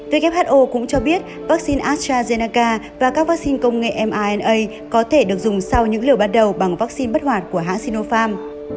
who cũng cho biết vaccine astrazennaca và các vaccine công nghệ mna có thể được dùng sau những liều ban đầu bằng vaccine bất hoạt của hãng sinopharm